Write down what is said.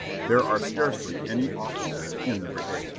There are scarcely any officers in the brigades."